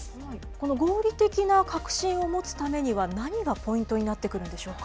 この合理的な確信を持つためには何がポイントになってくるんでしょうか。